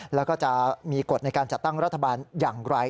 แล้วก็จะมีกฎในการจัดตั้งรัฐบาลอย่างไร